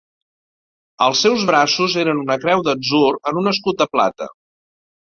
Els seus braços eren una creu d"atzur en un escut de plata.